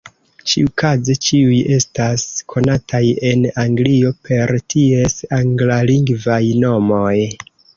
Ĉiukaze ĉiuj estas konataj en Anglio per ties anglalingvaj nomoj.